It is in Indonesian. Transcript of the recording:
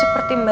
aku mau ngeliat